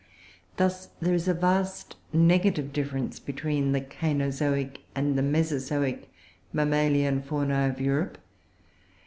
Thus there is a vast negative difference between the Cainozoic and the Mesozoic mammalian faunae of Europe.